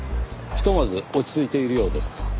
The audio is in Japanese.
ひとまず落ち着いているようです。